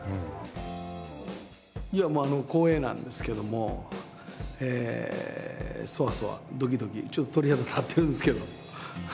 いやまあ光栄なんですけどもそわそわドキドキちょっと鳥肌立ってるんですけど。